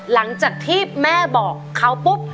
หลังจากที่แม่บอกเขาปุ๊บ